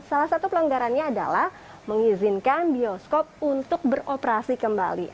salah satu pelonggarannya adalah mengizinkan bioskop untuk beroperasi kembali